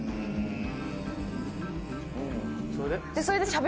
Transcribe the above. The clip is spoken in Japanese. それで？